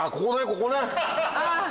ここね！